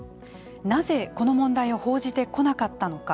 なぜこの問題を報じてこなかったのか。